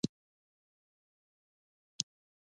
مصنوعي ځیرکتیا د رسنیز سواد اړتیا زیاتوي.